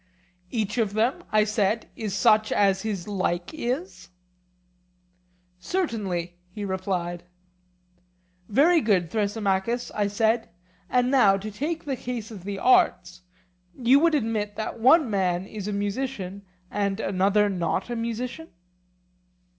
Each of them, I said, is such as his like is? Certainly, he replied. Very good, Thrasymachus, I said; and now to take the case of the arts: you would admit that one man is a musician and another not a musician?